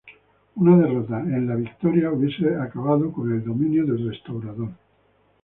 Una derrota en La Victoria hubiese acabado con el dominio del Restaurador.